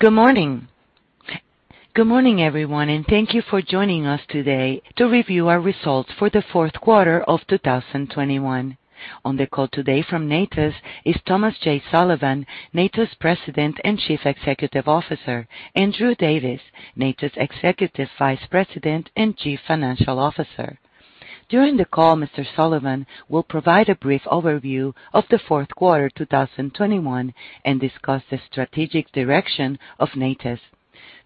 Good morning. Good morning, everyone, and thank you for joining us today to review our results for the fourth quarter of 2021. On the call today from Natus is Thomas J. Sullivan, Natus President and Chief Executive Officer, and Drew Davies, Natus Executive Vice President and Chief Financial Officer. During the call, Mr. Sullivan will provide a brief overview of the fourth quarter 2021 and discuss the strategic direction of Natus.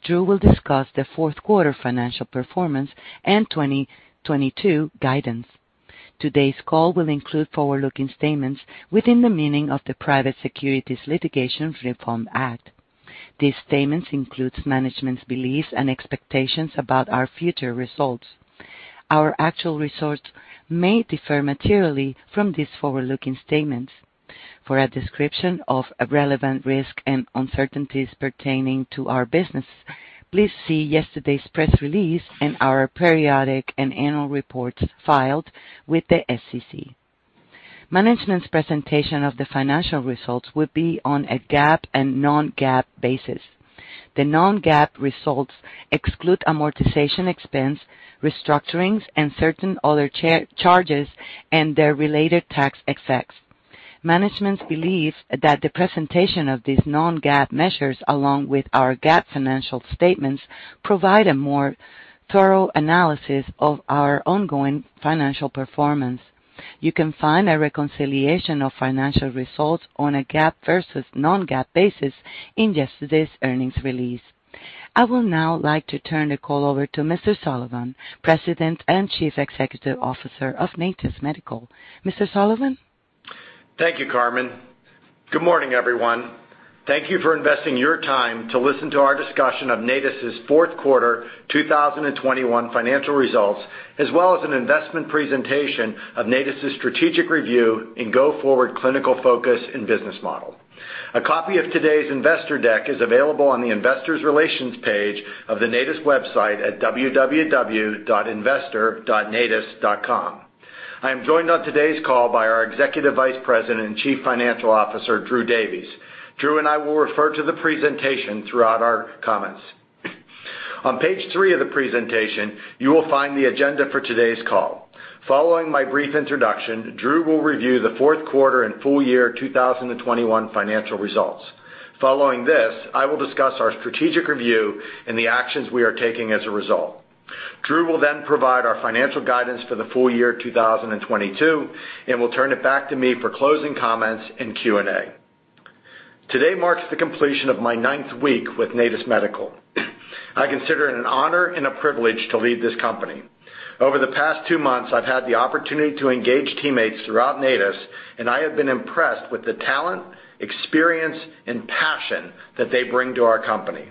Drew will discuss the fourth quarter financial performance and 2022 guidance. Today's call will include forward-looking statements within the meaning of the Private Securities Litigation Reform Act. These statements includes management's beliefs and expectations about our future results. Our actual results may differ materially from these forward-looking statements. For a description of relevant risk and uncertainties pertaining to our business, please see yesterday's press release and our periodic and annual reports filed with the SEC. Management's presentation of the financial results will be on a GAAP and non-GAAP basis. The non-GAAP results exclude amortization expense, restructurings, and certain other charges and their related tax effects. Management believes that the presentation of these non-GAAP measures, along with our GAAP financial statements, provide a more thorough analysis of our ongoing financial performance. You can find a reconciliation of financial results on a GAAP versus non-GAAP basis in yesterday's earnings release. I would now like to turn the call over to Mr. Sullivan, President and Chief Executive Officer of Natus Medical. Mr. Sullivan? Thank you, Carmen. Good morning, everyone. Thank you for investing your time to listen to our discussion of Natus' fourth quarter 2021 financial results, as well as an investment presentation of Natus' strategic review and go-forward clinical focus and business model. A copy of today's investor deck is available on the investor relations page of the Natus website at www.investor.natus.com. I am joined on today's call by our Executive Vice President and Chief Financial Officer, Drew Davies. Drew and I will refer to the presentation throughout our comments. On page three of the presentation, you will find the agenda for today's call. Following my brief introduction, Drew will review the fourth quarter and full-year 2021 financial results. Following this, I will discuss our strategic review and the actions we are taking as a result. Drew will then provide our financial guidance for the full-year 2022 and will turn it back to me for closing comments and Q&A. Today marks the completion of my ninth week with Natus Medical. I consider it an honor and a privilege to lead this company. Over the past two months, I've had the opportunity to engage teammates throughout Natus, and I have been impressed with the talent, experience, and passion that they bring to our company.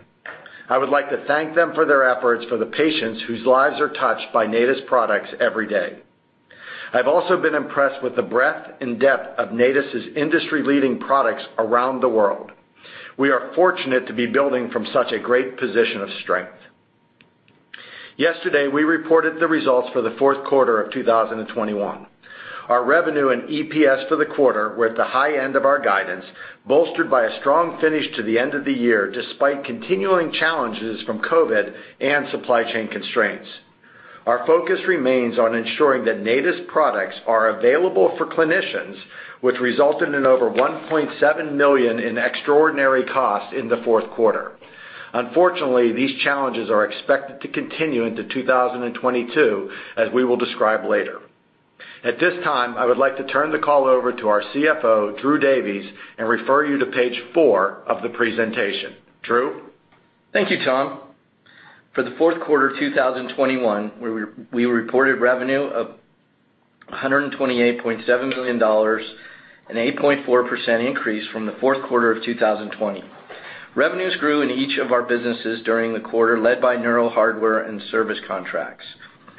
I would like to thank them for their efforts for the patients whose lives are touched by Natus products every day. I've also been impressed with the breadth and depth of Natus' industry-leading products around the world. We are fortunate to be building from such a great position of strength. Yesterday, we reported the results for the fourth quarter of 2021. Our revenue and EPS for the quarter were at the high end of our guidance, bolstered by a strong finish to the end of the year, despite continuing challenges from COVID and supply chain constraints. Our focus remains on ensuring that Natus products are available for clinicians, which resulted in over $1.7 million in extraordinary costs in the fourth quarter. Unfortunately, these challenges are expected to continue into 2022, as we will describe later. At this time, I would like to turn the call over to our CFO, Drew Davies, and refer you to page four of the presentation. Drew? Thank you, Tom. For the fourth quarter of 2021, we reported revenue of $128.7 million, an 8.4% increase from the fourth quarter of 2020. Revenues grew in each of our businesses during the quarter, led by neuro hardware and service contracts.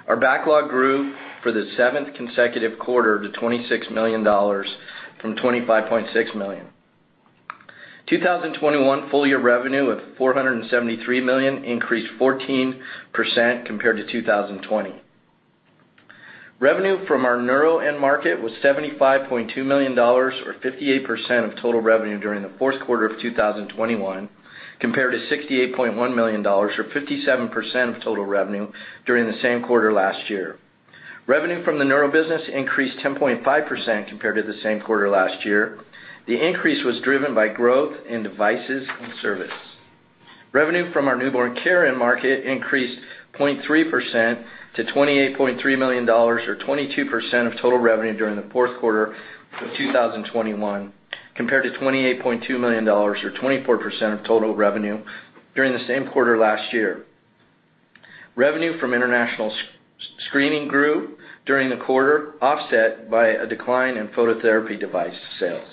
Our backlog grew for the seventh consecutive quarter to $26 million from $25.6 million. 2021 full-year revenue of $473 million increased 14% compared to 2020. Revenue from our neuro end market was $75.2 million or 58% of total revenue during the fourth quarter of 2021, compared to $68.1 million or 57% of total revenue during the same quarter last year. Revenue from the neuro business increased 10.5% compared to the same quarter last year. The increase was driven by growth in devices and service. Revenue from our newborn care end market increased 0.3% to $28.3 million or 22% of total revenue during the fourth quarter of 2021, compared to $28.2 million or 24% of total revenue during the same quarter last year. Revenue from international screening grew during the quarter, offset by a decline in phototherapy device sales.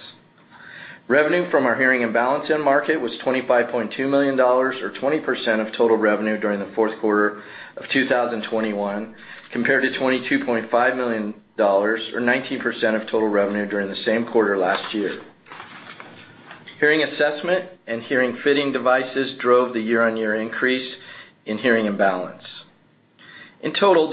Revenue from our hearing and balance end market was $25.2 million or 20% of total revenue during the fourth quarter of 2021, compared to $22.5 million or 19% of total revenue during the same quarter last year. Hearing assessment and hearing fitting devices drove the year-on-year increase in hearing and balance. In total,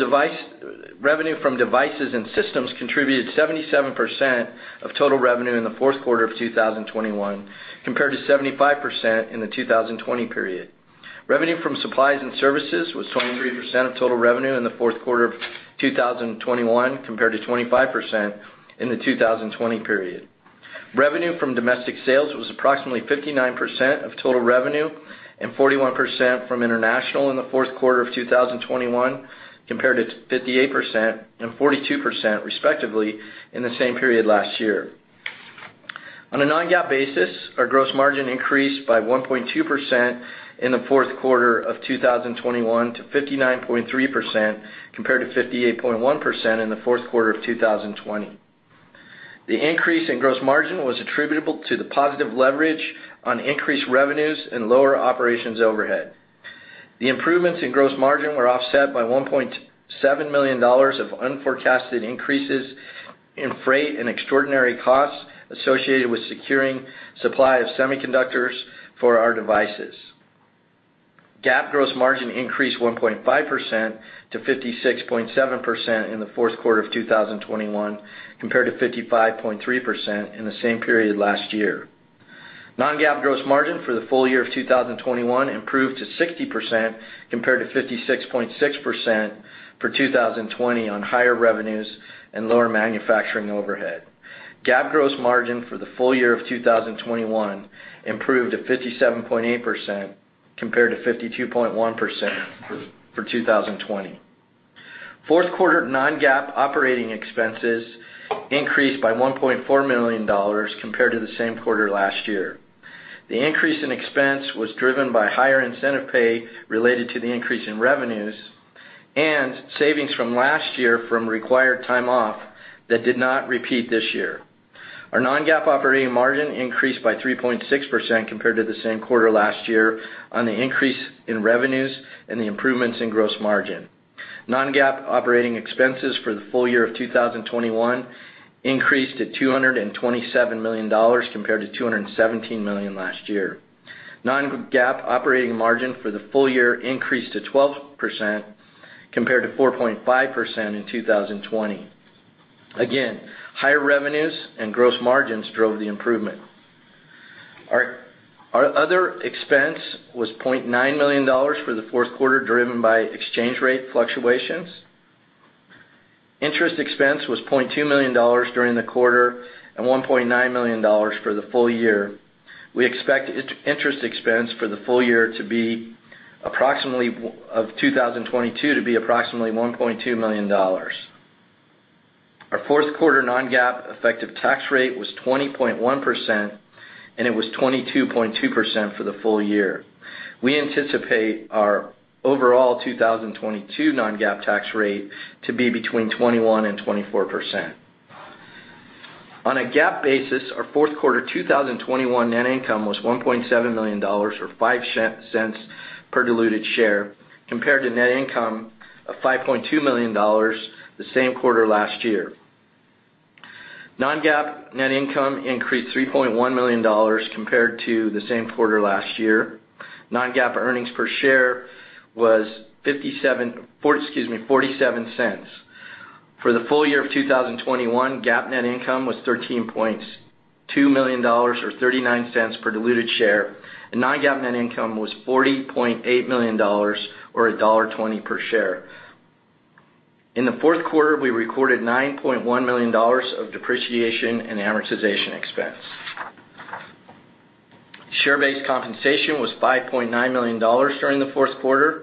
revenue from devices and systems contributed 77% of total revenue in the fourth quarter of 2021 compared to 75% in the 2020 period. Revenue from supplies and services was 23% of total revenue in the fourth quarter of 2021 compared to 25% in the 2020 period. Revenue from domestic sales was approximately 59% of total revenue and 41% from international in the fourth quarter of 2021 compared to 58% and 42% respectively in the same period last year. On a non-GAAP basis, our gross margin increased by 1.2% in the fourth quarter of 2021 to 59.3% compared to 58.1% in the fourth quarter of 2020. The increase in gross margin was attributable to the positive leverage on increased revenues and lower operations overhead. The improvements in gross margin were offset by $1.7 million of unforecasted increases in freight and extraordinary costs associated with securing supply of semiconductors for our devices. GAAP gross margin increased 1.5% to 56.7% in the fourth quarter of 2021 compared to 55.3% in the same period last year. Non-GAAP gross margin for the full-year of 2021 improved to 60% compared to 56.6% for 2020 on higher revenues and lower manufacturing overhead. GAAP gross margin for the full-year of 2021 improved to 57.8% compared to 52.1% for 2020. Fourth quarter non-GAAP operating expenses increased by $1.4 million compared to the same quarter last year. The increase in expense was driven by higher incentive pay related to the increase in revenues and savings from last year from required time off that did not repeat this year. Our non-GAAP operating margin increased by 3.6% compared to the same quarter last year on the increase in revenues and the improvements in gross margin. Non-GAAP operating expenses for the full-year of 2021 increased to $227 million compared to $217 million last year. Non-GAAP operating margin for the full-year increased to 12% compared to 4.5% in 2020. Again, higher revenues and gross margins drove the improvement. Our other expense was $0.9 million for the fourth quarter, driven by exchange rate fluctuations. Interest expense was $0.2 million during the quarter and $1.9 million for the full-year. We expect interest expense for the full-year of 2022 to be approximately $1.2 million. Our fourth quarter non-GAAP effective tax rate was 20.1%, and it was 22.2% for the full-year. We anticipate our overall 2022 non-GAAP tax rate to be between 21%-24%. On a GAAP basis, our fourth quarter 2021 net income was $1.7 million or $0.05 per diluted share compared to net income of $5.2 million the same quarter last year. Non-GAAP net income increased $3.1 million compared to the same quarter last year. Non-GAAP earnings per share was $0.47. For the full-year of 2021, GAAP net income was $13.2 million or $0.39 per diluted share, and non-GAAP net income was $40.8 million or $1.20 per share. In the fourth quarter, we recorded $9.1 million of depreciation and amortization expense. Share-based compensation was $5.9 million during the fourth quarter.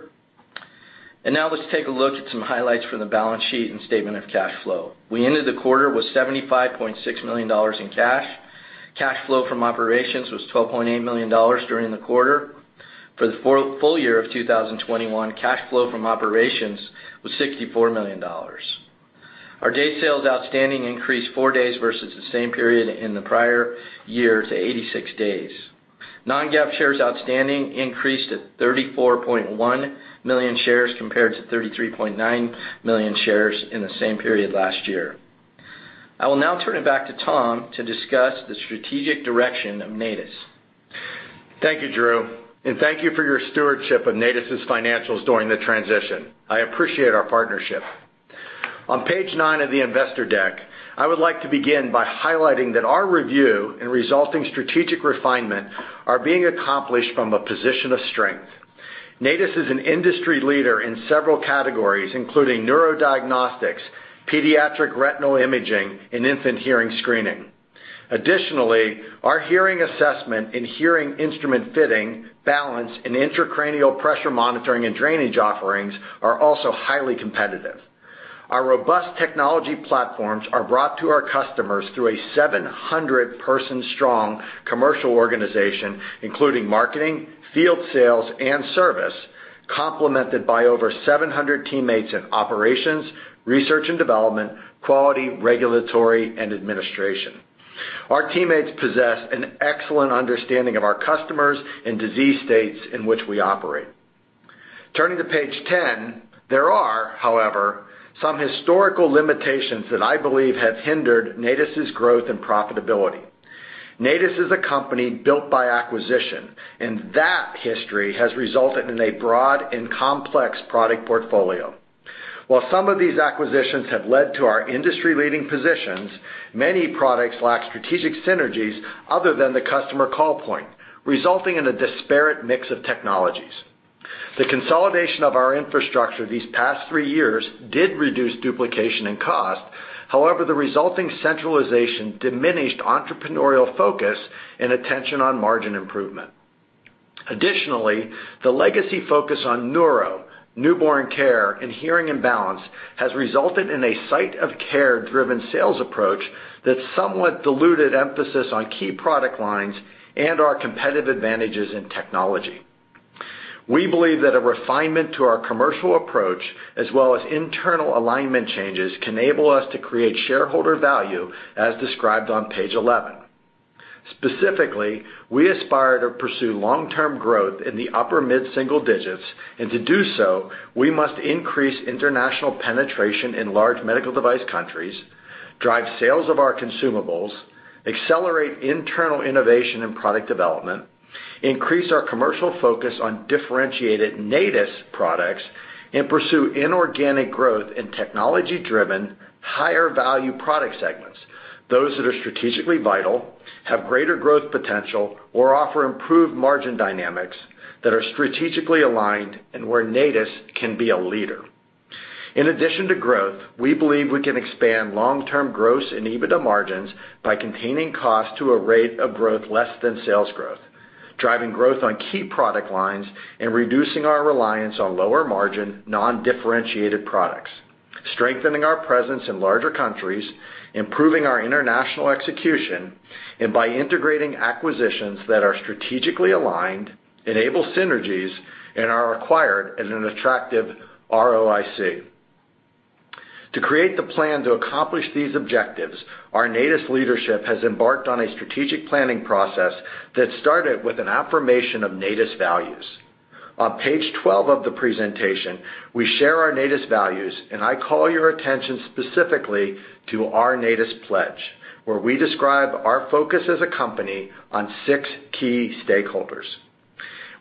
Now let's take a look at some highlights from the balance sheet and statement of cash flow. We ended the quarter with $75.6 million in cash. Cash flow from operations was $12.8 million during the quarter. For the full-year of 2021, cash flow from operations was $64 million. Our days sales outstanding increased four days versus the same period in the prior year to 86 days. Non-GAAP shares outstanding increased to 34.1 million shares compared to 33.9 million shares in the same period last year. I will now turn it back to Tom to discuss the strategic direction of Natus. Thank you, Drew, and thank you for your stewardship of Natus' financials during the transition. I appreciate our partnership. On page nine of the investor deck, I would like to begin by highlighting that our review and resulting strategic refinement are being accomplished from a position of strength. Natus is an industry leader in several categories, including neurodiagnostics, pediatric retinal imaging, and infant hearing screening. Additionally, our hearing assessment and hearing instrument fitting, balance, and intracranial pressure monitoring and drainage offerings are also highly competitive. Our robust technology platforms are brought to our customers through a 700-person strong commercial organization, including marketing, field sales, and service, complemented by over 700 teammates in operations, research and development, quality, regulatory, and administration. Our teammates possess an excellent understanding of our customers and disease states in which we operate. Turning to page 10, there are, however, some historical limitations that I believe have hindered Natus' growth and profitability. Natus is a company built by acquisition, and that history has resulted in a broad and complex product portfolio. While some of these acquisitions have led to our industry-leading positions, many products lack strategic synergies other than the customer call point, resulting in a disparate mix of technologies. The consolidation of our infrastructure these past three years did reduce duplication and cost. However, the resulting centralization diminished entrepreneurial focus and attention on margin improvement. Additionally, the legacy focus on neuro, newborn care, and hearing, and balance has resulted in a site of care-driven sales approach that somewhat diluted emphasis on key product lines and our competitive advantages in technology. We believe that a refinement to our commercial approach, as well as internal alignment changes, can enable us to create shareholder value as described on page 11. Specifically, we aspire to pursue long-term growth in the upper mid-single digits. To do so, we must increase international penetration in large medical device countries, drive sales of our consumables, accelerate internal innovation and product development, increase our commercial focus on differentiated Natus products, and pursue inorganic growth in technology-driven, higher value product segments. Those that are strategically vital, have greater growth potential or offer improved margin dynamics that are strategically aligned and where Natus can be a leader. In addition to growth, we believe we can expand long-term gross and EBITDA margins by containing costs to a rate of growth less than sales growth, driving growth on key product lines, and reducing our reliance on lower margin, non-differentiated products. Strengthening our presence in larger countries, improving our international execution, and by integrating acquisitions that are strategically aligned, enable synergies, and are acquired at an attractive ROIC. To create the plan to accomplish these objectives, our Natus leadership has embarked on a strategic planning process that started with an affirmation of Natus values. On page 12 of the presentation, we share our Natus values, and I call your attention specifically to our Natus pledge, where we describe our focus as a company on six key stakeholders.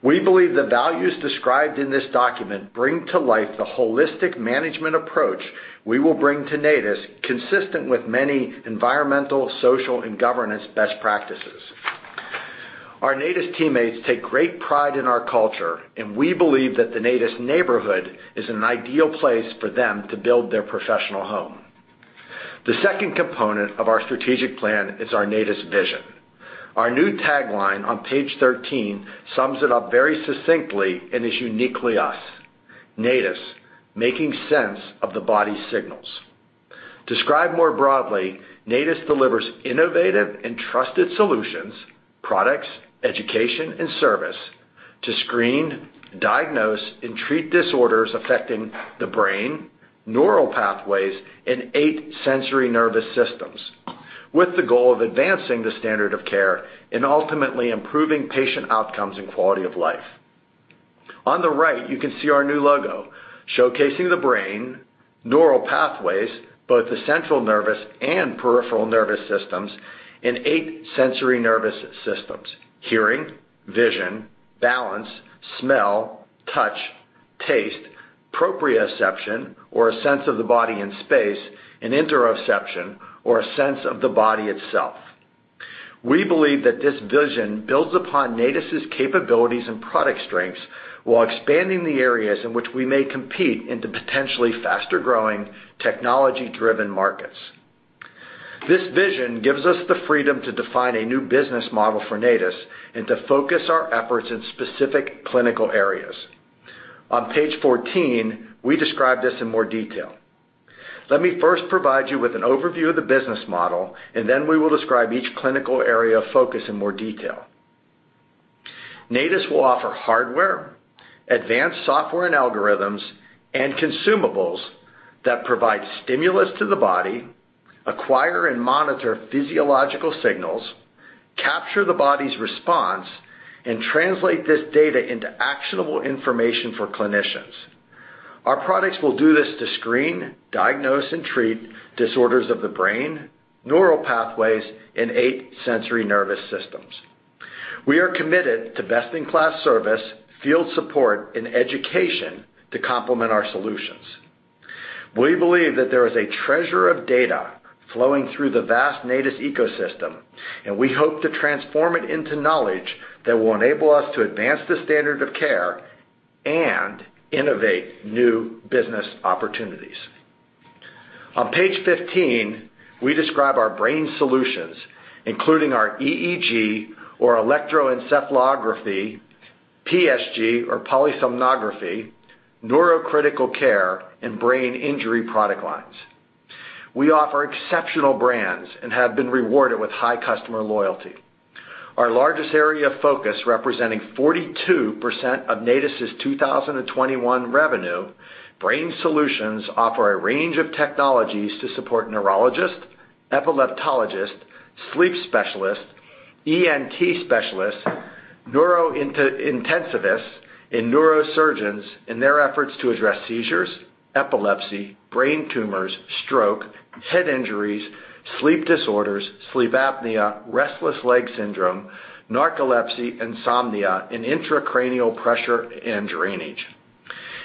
We believe the values described in this document bring to life the holistic management approach we will bring to Natus, consistent with many environmental, social, and governance best practices. Our Natus teammates take great pride in our culture, and we believe that the Natus neighborhood is an ideal place for them to build their professional home. The second component of our strategic plan is our Natus vision. Our new tagline on page 13 sums it up very succinctly and is uniquely us. Natus, making sense of the body's signals. Described more broadly, Natus delivers innovative and trusted solutions, products, education, and service to screen, diagnose, and treat disorders affecting the brain, neural pathways, and eight sensory nervous systems, with the goal of advancing the standard of care and ultimately improving patient outcomes and quality of life. On the right, you can see our new logo showcasing the brain, neural pathways, both the central nervous and peripheral nervous systems and eight sensory nervous systems. Hearing, vision, balance, smell, touch, taste, proprioception, or a sense of the body in space, and interoception, or a sense of the body itself. We believe that this vision builds upon Natus' capabilities and product strengths while expanding the areas in which we may compete into potentially faster-growing, technology-driven markets. This vision gives us the freedom to define a new business model for Natus and to focus our efforts in specific clinical areas. On page 14, we describe this in more detail. Let me first provide you with an overview of the business model, and then we will describe each clinical area of focus in more detail. Natus will offer hardware, advanced software and algorithms, and consumables that provide stimulus to the body, acquire and monitor physiological signals, capture the body's response, and translate this data into actionable information for clinicians. Our products will do this to screen, diagnose, and treat disorders of the brain, neural pathways, and eight sensory nervous systems. We are committed to best-in-class service, field support, and education to complement our solutions. We believe that there is a treasure of data flowing through the vast Natus ecosystem, and we hope to transform it into knowledge that will enable us to advance the standard of care and innovate new business opportunities. On page 15, we describe our brain solutions, including our EEG or electroencephalography, PSG or polysomnography, neurocritical care, and brain injury product lines. We offer exceptional brands and have been rewarded with high customer loyalty. Our largest area of focus, representing 42% of Natus' 2021 revenue, brain solutions offer a range of technologies to support neurologists, epileptologists, sleep specialists, ENT specialists, neurointensivists and neurosurgeons in their efforts to address seizures, epilepsy, brain tumors, stroke, head injuries, sleep disorders, sleep apnea, restless leg syndrome, narcolepsy, insomnia, and intracranial pressure and drainage.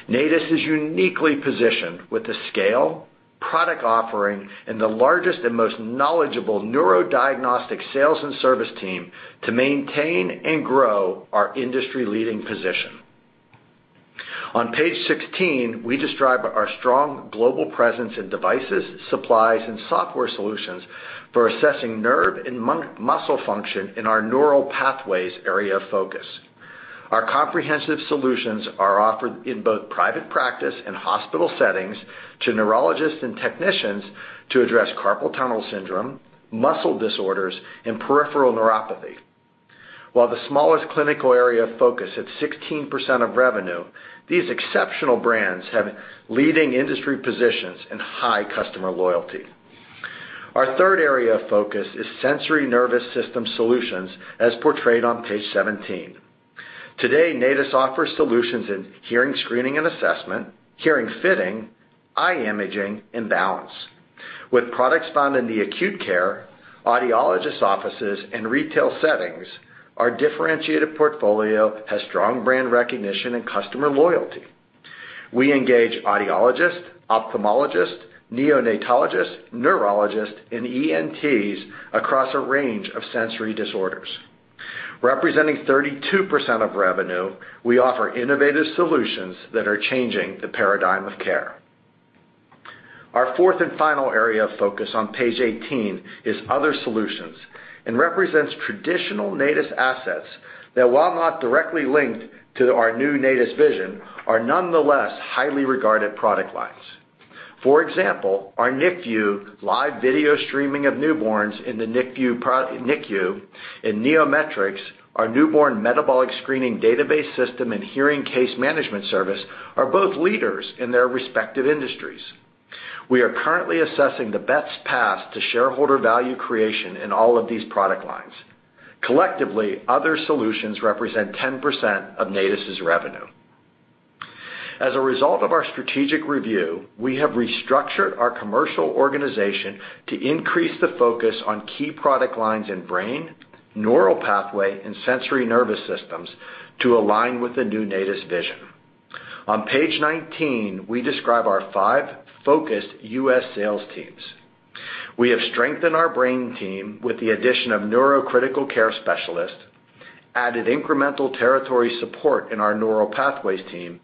Natus is uniquely positioned with the scale, product offering, and the largest and most knowledgeable neurodiagnostic sales and service team to maintain and grow our industry-leading position. On page 16, we describe our strong global presence in devices, supplies, and software solutions for assessing nerve and muscle function in our neural pathways area of focus. Our comprehensive solutions are offered in both private practice and hospital settings to neurologists and technicians to address carpal tunnel syndrome, muscle disorders, and peripheral neuropathy. While the smallest clinical area of focus at 16% of revenue, these exceptional brands have leading industry positions and high customer loyalty. Our third area of focus is sensory nervous system solutions, as portrayed on page 17. Today, Natus offers solutions in hearing screening and assessment, hearing fitting, eye imaging, and balance. With products found in the acute care, audiologists' offices, and retail settings, our differentiated portfolio has strong brand recognition and customer loyalty. We engage audiologists, ophthalmologists, neonatologists, neurologists, and ENTs across a range of sensory disorders. Representing 32% of revenue, we offer innovative solutions that are changing the paradigm of care. Our fourth and final area of focus on page 18 is other solutions and represents traditional Natus assets that, while not directly linked to our new Natus vision, are nonetheless highly regarded product lines. For example, our NICVIEW live video streaming of newborns in the NICU and NEOMETRICS, our newborn metabolic screening database system and hearing case management service, are both leaders in their respective industries. We are currently assessing the best path to shareholder value creation in all of these product lines. Collectively, other solutions represent 10% of Natus' revenue. As a result of our strategic review, we have restructured our commercial organization to increase the focus on key product lines in brain, neural pathway, and sensory nervous systems to align with the new Natus vision. On page 19, we describe our five focused U.S. sales teams. We have strengthened our brain team with the addition of neurocritical care specialists, added incremental territory support in our neural pathways team,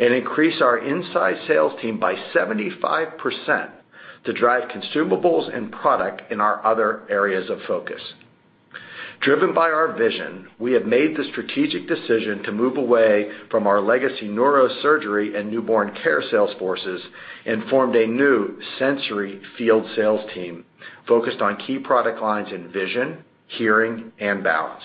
and increased our inside sales team by 75% to drive consumables and product in our other areas of focus. Driven by our vision, we have made the strategic decision to move away from our legacy neurosurgery and newborn care sales forces and formed a new sensory field sales team focused on key product lines in vision, hearing, and balance.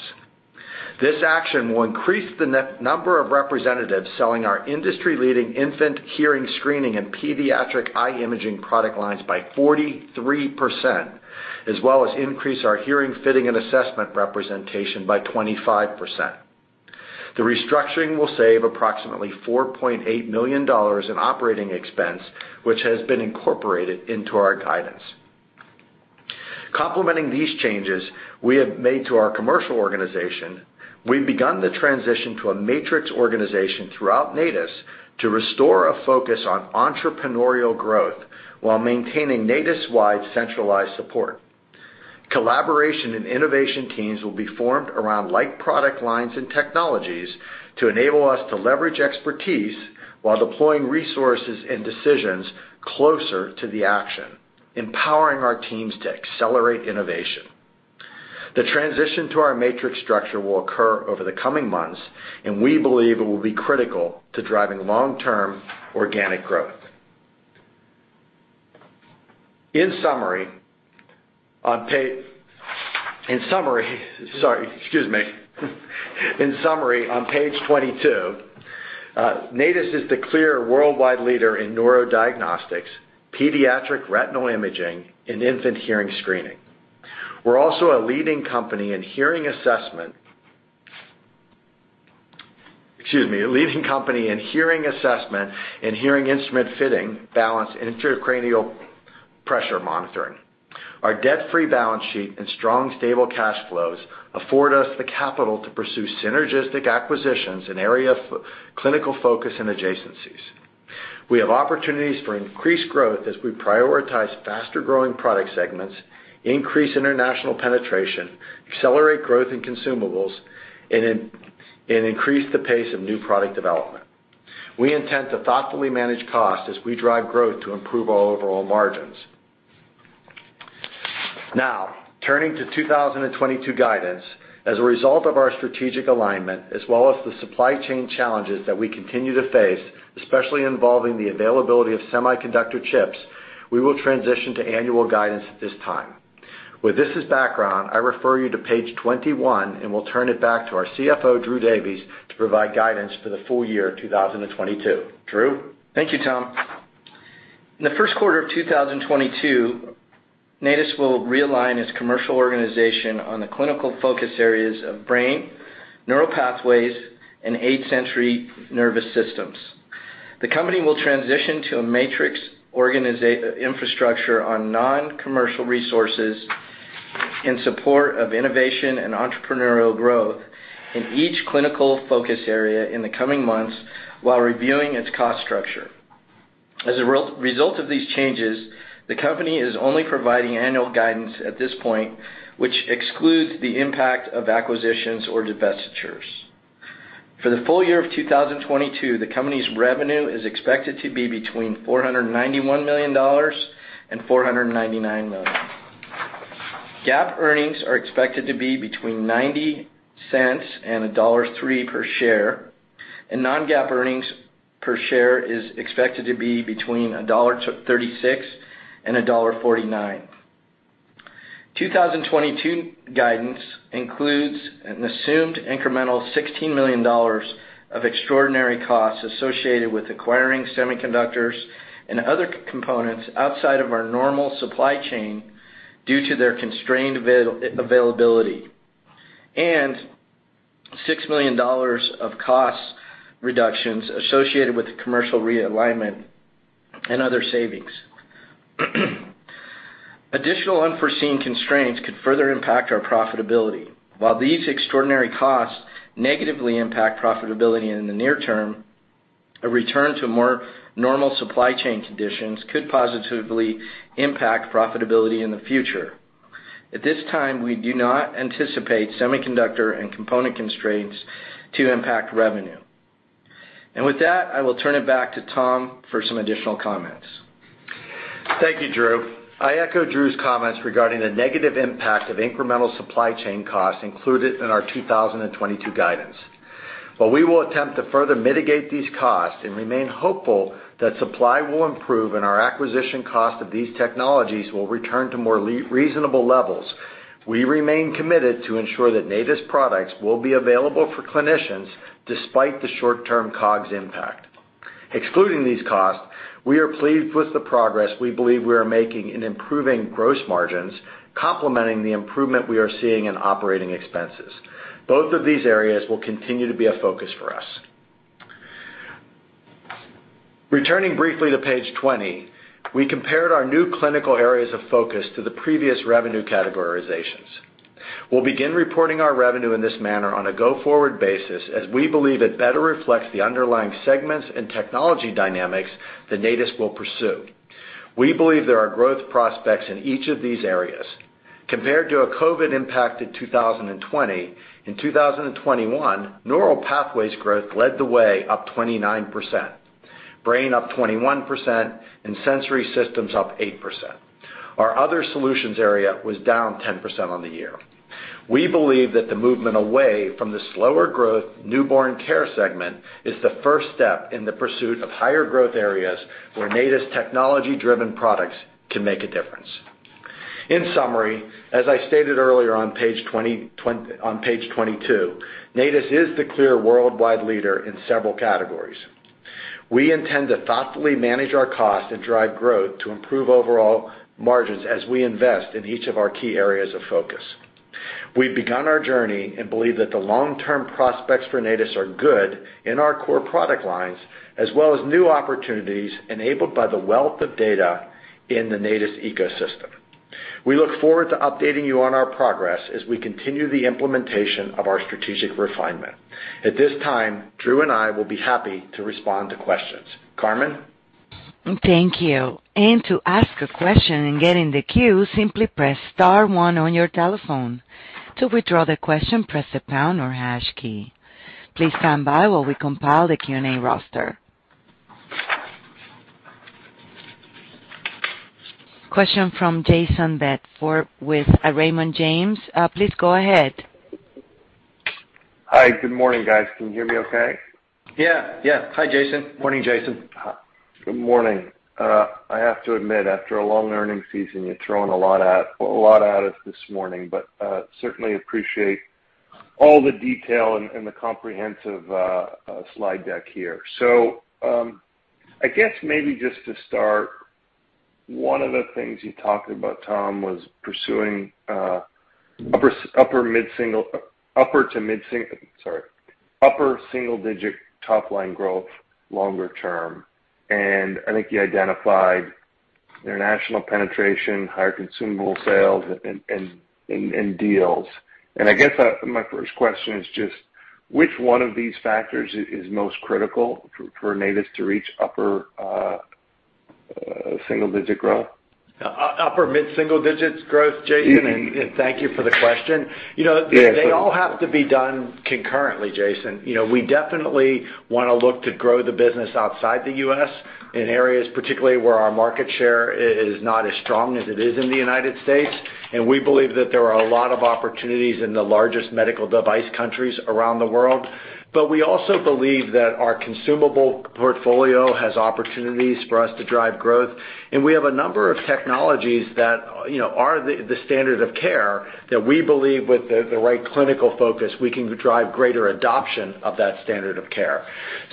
This action will increase the net number of representatives selling our industry-leading infant hearing screening and pediatric eye imaging product lines by 43%, as well as increase our hearing fitting and assessment representation by 25%. The restructuring will save approximately $4.8 million in operating expense, which has been incorporated into our guidance. Complementing these changes we have made to our commercial organization, we've begun the transition to a matrix organization throughout Natus to restore a focus on entrepreneurial growth while maintaining Natus-wide centralized support. Collaboration and innovation teams will be formed around like product lines and technologies to enable us to leverage expertise while deploying resources and decisions closer to the action, empowering our teams to accelerate innovation. The transition to our matrix structure will occur over the coming months, and we believe it will be critical to driving long-term organic growth. In summary, on page 22, Natus is the clear worldwide leader in neurodiagnostics, pediatric retinal imaging, and infant hearing screening. We're also a leading company in hearing assessment and hearing instrument fitting, balance, and intracranial pressure monitoring. Our debt-free balance sheet and strong, stable cash flows afford us the capital to pursue synergistic acquisitions in area of clinical focus and adjacencies. We have opportunities for increased growth as we prioritize faster-growing product segments, increase international penetration, accelerate growth in consumables, and increase the pace of new product development. We intend to thoughtfully manage cost as we drive growth to improve our overall margins. Now, turning to 2022 guidance. As a result of our strategic alignment, as well as the supply chain challenges that we continue to face, especially involving the availability of semiconductor chips, we will transition to annual guidance at this time. With this as background, I refer you to page 21, and we'll turn it back to our CFO, Drew Davies, to provide guidance for the full-year 2022. Drew? Thank you, Tom. In the first quarter of 2022, Natus will realign its commercial organization on the clinical focus areas of brain, neural pathways, and eight sensory nervous systems. The company will transition to a matrix infrastructure on non-commercial resources in support of innovation and entrepreneurial growth in each clinical focus area in the coming months while reviewing its cost structure. As a result of these changes, the company is only providing annual guidance at this point, which excludes the impact of acquisitions or divestitures. For the full-year of 2022, the company's revenue is expected to be between $491 million and $499 million. GAAP earnings are expected to be between $0.90 and $1.03 per share, and non-GAAP earnings per share is expected to be between $1.36 and $1.49. 2022 guidance includes an assumed incremental $16 million of extraordinary costs associated with acquiring semiconductors and other components outside of our normal supply chain due to their constrained availability, and $6 million of cost reductions associated with the commercial realignment and other savings. Additional unforeseen constraints could further impact our profitability. While these extraordinary costs negatively impact profitability in the near term, a return to more normal supply chain conditions could positively impact profitability in the future. At this time, we do not anticipate semiconductor and component constraints to impact revenue. With that, I will turn it back to Tom for some additional comments. Thank you, Drew. I echo Drew's comments regarding the negative impact of incremental supply chain costs included in our 2022 guidance. While we will attempt to further mitigate these costs and remain hopeful that supply will improve and our acquisition cost of these technologies will return to more reasonable levels, we remain committed to ensure that Natus products will be available for clinicians despite the short-term COGS impact. Excluding these costs, we are pleased with the progress we believe we are making in improving gross margins, complementing the improvement we are seeing in operating expenses. Both of these areas will continue to be a focus for us. Returning briefly to page 20, we compared our new clinical areas of focus to the previous revenue categorizations. We'll begin reporting our revenue in this manner on a go-forward basis, as we believe it better reflects the underlying segments and technology dynamics that Natus will pursue. We believe there are growth prospects in each of these areas. Compared to a COVID-impacted 2020, in 2021, neural pathways growth led the way up 29%, brain up 21%, and sensory systems up 8%. Our other solutions area was down 10% on the year. We believe that the movement away from the slower growth newborn care segment is the first step in the pursuit of higher growth areas where Natus technology-driven products can make a difference. In summary, as I stated earlier on page 22, Natus is the clear worldwide leader in several categories. We intend to thoughtfully manage our cost and drive growth to improve overall margins as we invest in each of our key areas of focus. We've begun our journey and believe that the long-term prospects for Natus are good in our core product lines, as well as new opportunities enabled by the wealth of data in the Natus ecosystem. We look forward to updating you on our progress as we continue the implementation of our strategic refinement. At this time, Drew and I will be happy to respond to questions. Carmen? Thank you. To ask a question and get in the queue, simply press star one on your telephone. To withdraw the question, press the pound or hash key. Please stand by while we compile the Q&A roster. Question from Jayson Bedford with Raymond James. Please go ahead. Hi. Good morning, guys. Can you hear me okay? Yeah, yeah. Hi, Jayson. Morning, Jayson. Good morning. I have to admit, after a long earnings season, you're throwing a lot at us this morning, but certainly appreciate all the detail and the comprehensive slide deck here. I guess maybe just to start, one of the things you talked about, Tom, was pursuing upper single-digit top-line growth longer term, and I think you identified international penetration, higher consumable sales, and deals. I guess my first question is just which one of these factors is most critical for Natus to reach upper single-digit growth? Upper mid-single digits growth, Jayson? Mm-hmm. Thank you for the question. You know. Yeah, sure. They all have to be done concurrently, Jayson. You know, we definitely wanna look to grow the business outside the U.S. in areas particularly where our market share is not as strong as it is in the United States, and we believe that there are a lot of opportunities in the largest medical device countries around the world. We also believe that our consumable portfolio has opportunities for us to drive growth, and we have a number of technologies that, you know, are the standard of care that we believe with the right clinical focus, we can drive greater adoption of that standard of care.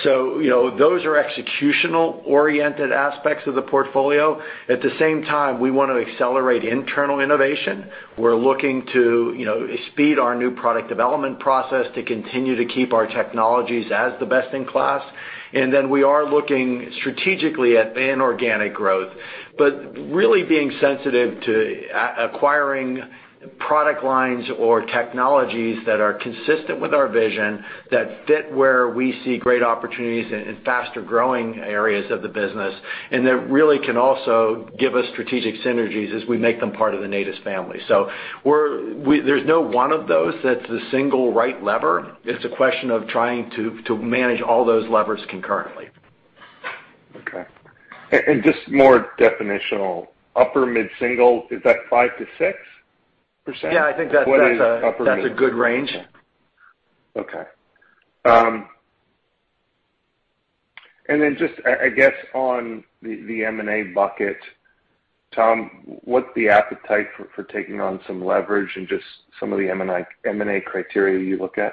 You know, those are executional-oriented aspects of the portfolio. At the same time, we want to accelerate internal innovation. We're looking to, you know, speed our new product development process to continue to keep our technologies as the best in class. We are looking strategically at inorganic growth, really being sensitive to acquiring product lines or technologies that are consistent with our vision, that fit where we see great opportunities in faster-growing areas of the business, and that really can also give us strategic synergies as we make them part of the Natus family. There's no one of those that's the single right lever. It's a question of trying to manage all those levers concurrently. Okay. Just more definitional. Upper mid-single, is that 5%-6%? Yeah, I think that's. What is upper mid- That's a good range. Just, I guess on the M&A bucket, Tom, what's the appetite for taking on some leverage and just some of the M&A criteria you look at?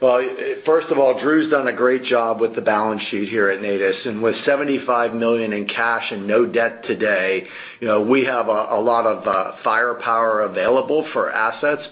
Well, first of all, Drew's done a great job with the balance sheet here at Natus. With $75 million in cash and no debt today, you know, we have a lot of firepower available for assets.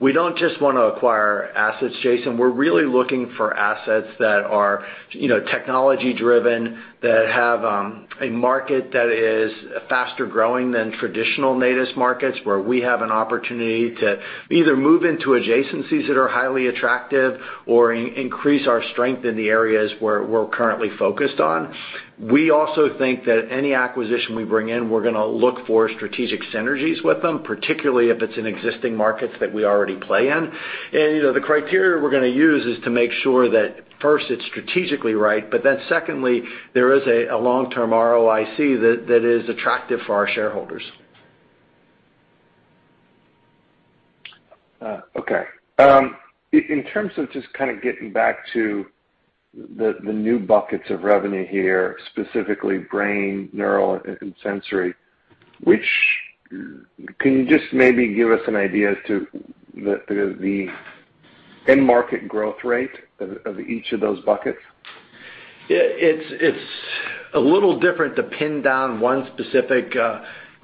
We don't just wanna acquire assets, Jayson. We're really looking for assets that are, you know, technology-driven, that have a market that is faster-growing than traditional Natus markets, where we have an opportunity to either move into adjacencies that are highly attractive or increase our strength in the areas where we're currently focused on. We also think that any acquisition we bring in, we're gonna look for strategic synergies with them, particularly if it's in existing markets that we already play in. You know, the criteria we're gonna use is to make sure that, first, it's strategically right, but then secondly, there is a long-term ROIC that is attractive for our shareholders. Okay. In terms of just kinda getting back to the new buckets of revenue here, specifically brain, neural, and sensory. Can you just maybe give us an idea as to the end market growth rate of each of those buckets? It's a little different to pin down one specific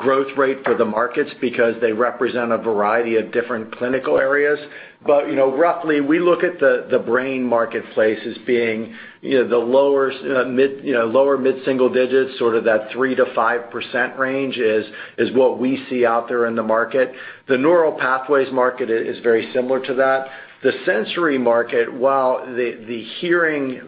growth rate for the markets because they represent a variety of different clinical areas. You know, roughly, we look at the brain marketplace as being, you know, the lower mid-single digits, sort of that 3%-5% range is what we see out there in the market. The neural pathways market is very similar to that. The sensory market, while the hearing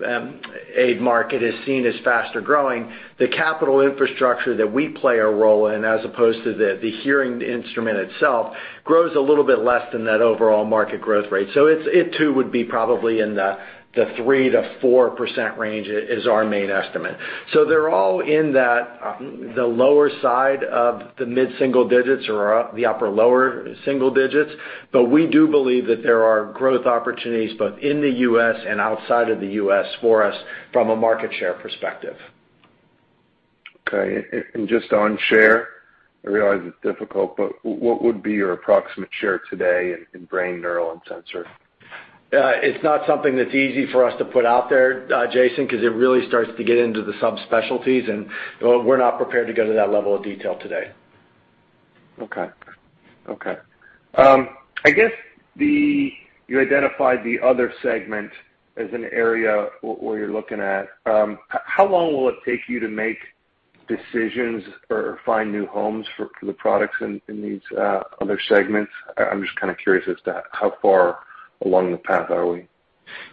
aid market is seen as faster-growing, the capital infrastructure that we play a role in as opposed to the hearing instrument itself, grows a little bit less than that overall market growth rate. It too would be probably in the 3%-4% range is our main estimate. They're all in that, the lower side of the mid-single digits or up the upper lower single digits. But we do believe that there are growth opportunities both in the U.S. and outside of the U.S. for us from a market share perspective. Okay. Just on share, I realize it's difficult, but what would be your approximate share today in brain, neural, and sensory? It's not something that's easy for us to put out there, Jayson, 'cause it really starts to get into the subspecialties, and, well, we're not prepared to go to that level of detail today. Okay. I guess you identified the other segment as an area where you're looking at. How long will it take you to make decisions or find new homes for the products in these other segments? I'm just kinda curious as to how far along the path are we.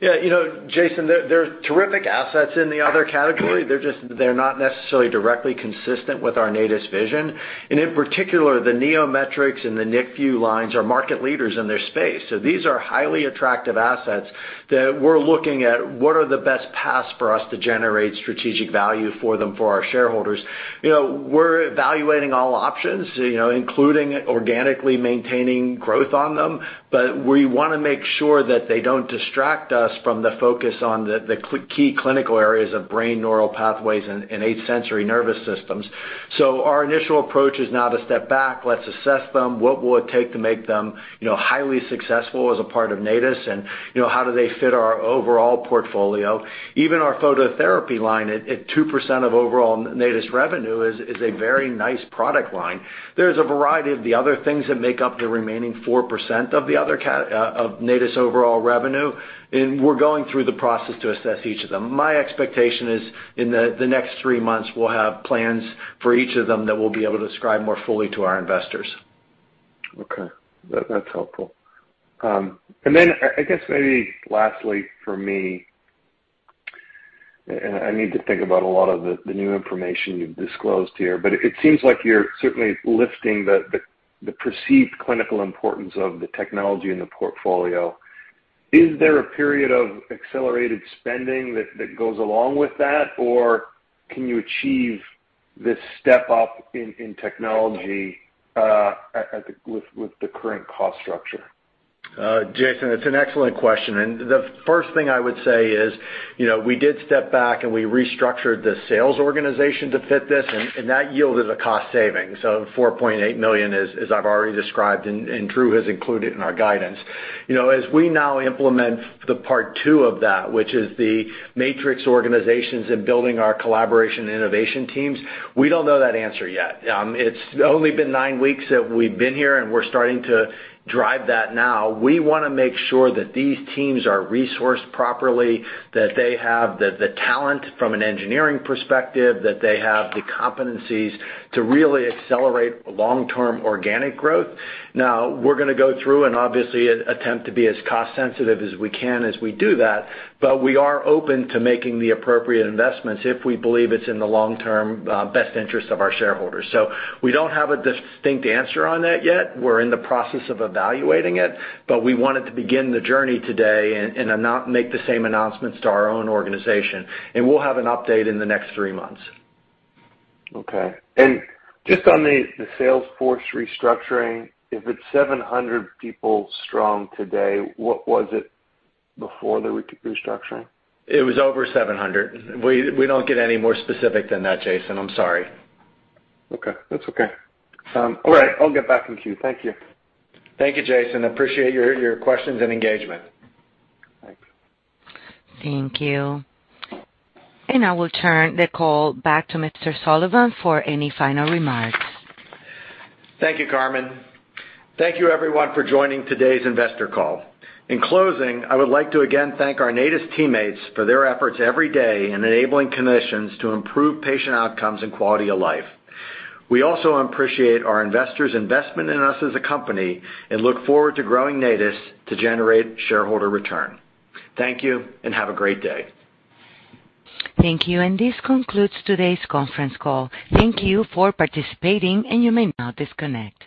Yeah. You know, Jayson, there are terrific assets in the other category. They're just not necessarily directly consistent with our Natus vision. In particular, the NEOMETRICS and the NICVIEW lines are market leaders in their space. These are highly attractive assets that we're looking at what are the best paths for us to generate strategic value for them for our shareholders. You know, we're evaluating all options, you know, including organically maintaining growth on them. We wanna make sure that they don't distract us from the focus on the key clinical areas of brain, neural pathways, and eight sensory nervous systems. Our initial approach is now to step back, let's assess them, what will it take to make them, you know, highly successful as a part of Natus, and, you know, how do they fit our overall portfolio? Even our phototherapy line at 2% of overall Natus revenue is a very nice product line. There's a variety of the other things that make up the remaining 4% of the other of Natus' overall revenue, and we're going through the process to assess each of them. My expectation is in the next three months, we'll have plans for each of them that we'll be able to describe more fully to our investors. Okay. That's helpful. I guess maybe lastly for me, and I need to think about a lot of the new information you've disclosed here, but it seems like you're certainly lifting the perceived clinical importance of the technology in the portfolio. Is there a period of accelerated spending that goes along with that? Can you achieve this step up in technology with the current cost structure? Jayson, it's an excellent question. The first thing I would say is, you know, we did step back and we restructured the sales organization to fit this, and that yielded a cost savings of $4.8 million, as I've already described and Drew has included in our guidance. You know, as we now implement the part two of that, which is the matrix organizations and building our collaboration and innovation teams, we don't know that answer yet. It's only been 9 weeks that we've been here, and we're starting to drive that now. We wanna make sure that these teams are resourced properly, that they have the talent from an engineering perspective, that they have the competencies to really accelerate long-term organic growth. Now, we're gonna go through and obviously attempt to be as cost-sensitive as we can as we do that, but we are open to making the appropriate investments if we believe it's in the long-term best interest of our shareholders. We don't have a distinct answer on that yet. We're in the process of evaluating it, but we wanted to begin the journey today and not make the same announcements to our own organization. We'll have an update in the next three months. Okay. Just on the sales force restructuring, if it's 700 people strong today, what was it before the restructuring? It was over 700. We don't get any more specific than that, Jayson. I'm sorry. Okay. That's okay. All right. I'll get back in queue. Thank you. Thank you, Jayson. I appreciate your questions and engagement. Thanks. Thank you. I will turn the call back to Mr. Sullivan for any final remarks. Thank you, Carmen. Thank you, everyone, for joining today's investor call. In closing, I would like to again thank our Natus teammates for their efforts every day in enabling clinicians to improve patient outcomes and quality of life. We also appreciate our investors' investment in us as a company and look forward to growing Natus to generate shareholder return. Thank you, and have a great day. Thank you. This concludes today's conference call. Thank you for participating, and you may now disconnect.